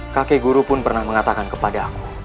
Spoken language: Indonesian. kakek guru pun pernah mengatakan kepada aku